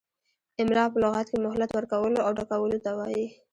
املاء په لغت کې مهلت ورکولو او ډکولو ته وايي.